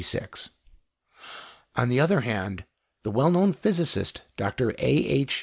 On the other hand, the well known physicist Dr A.H.